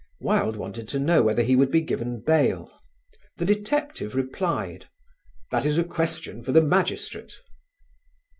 Wilde wanted to know whether he would be given bail; the detective replied: "That is a question for the magistrate."